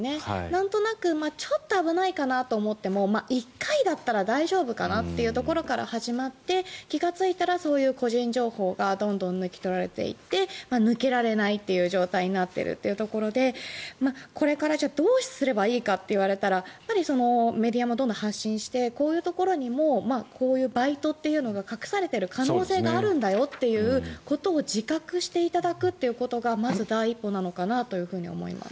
なんとなくちょっと危ないかなと思っても１回だったら大丈夫かなというところから始まって気がついたらそういう個人情報がどんどん抜き取られていって抜けられないっていう状態になっているというところでこれからどうすればいいかと言われたらメディアもどんどん発信してこういうところにもこういうバイトというのが隠されている可能性があるんだよっていうことを自覚していただくということがまず第一歩なのかなというふうに思います。